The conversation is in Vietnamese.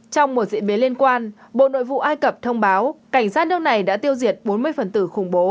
trong một diễn biến liên quan bộ nội vụ ai cập thông báo cảnh sát nước này đã tiêu diệt bốn mươi phần tử khủng bố